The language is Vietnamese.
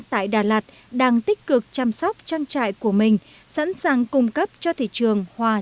tại đà lạt đang tích cực chăm sóc trang trại của mình sẵn sàng cung cấp cho thị trường hoa